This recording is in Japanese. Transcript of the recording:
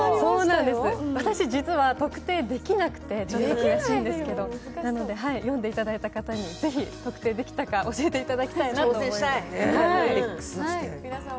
私、実は特定できなくて、ちょっと悔しいんですけど、なので読んでいただいた方にぜひ特定できたか教えていただきたいと思います。